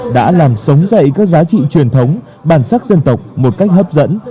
đã làm sống dậy các giá trị truyền thống bản sắc dân tộc một cách hấp dẫn